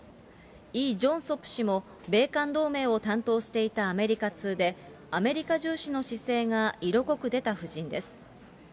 イ・ジョンソプ氏も米韓同盟を担当していたアメリカ通で、アメリカ重視の姿勢が色濃く出た布陣です。